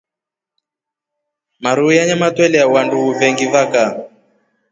Maruu ya nyama twela wandu vengi va kaa.